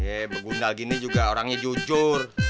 yeh begundal gini juga orangnya jujur